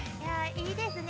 ◆いいですね。